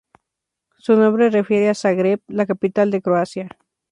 Su nombre refiere a Zagreb, la capital de Croacia.